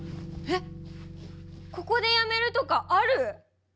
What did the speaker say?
えっここでやめるとかある？